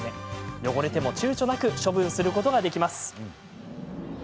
汚れても、ちゅうちょなく処分することができます。